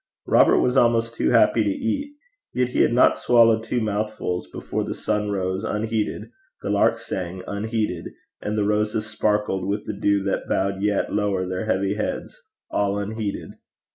Robert was almost too happy to eat; yet he had not swallowed two mouthfuls before the sun rose unheeded, the lark sang unheeded, and the roses sparkled with the dew that bowed yet lower their heavy heads, all unheeded.